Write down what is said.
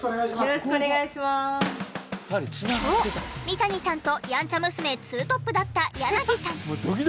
三谷さんとヤンチャ娘２トップだった柳さん。